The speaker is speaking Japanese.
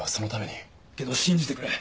けど信じてくれ。